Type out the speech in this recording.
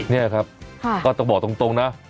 นี่ครับก็ต้องบอกตรงนะ